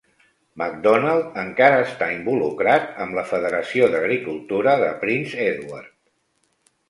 McDonald encara està involucrat amb la Federació d'Agricultura de Prince Edward.